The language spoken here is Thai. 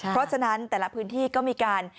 เพราะฉะนั้นแต่ละพื้นที่ก็มีการ